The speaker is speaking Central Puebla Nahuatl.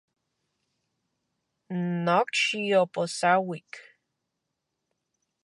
Nokxi oposauik.